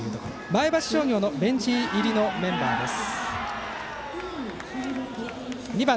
前橋商業ベンチ入りのメンバーです。